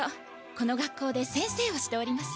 この学校で先生をしております。